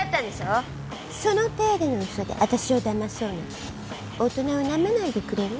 その程度の嘘でわたしをだまそうなんて大人をなめないでくれる？